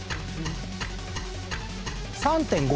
３．５。